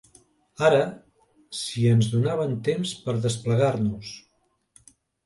Ara, si ens donaven temps per desplegar-nos